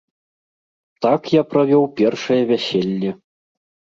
Так я правёў першае вяселле.